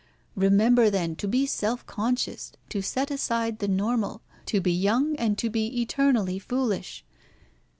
Remember, then, to be self conscious, to set aside the normal, to be young, and to be eternally foolish.